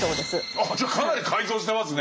あじゃあかなり改造してますね？